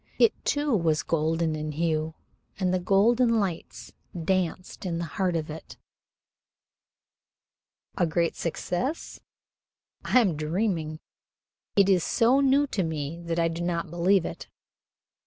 It too was golden in hue, and golden lights danced in the heart of it. "A great success? I am dreaming. It is so new to me that I do not believe it."